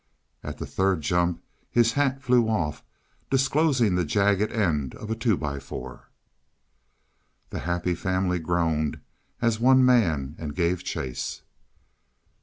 At the third jump his hat flew off, disclosing the jagged end of a two by four. The Happy Family groaned as one man and gave chase.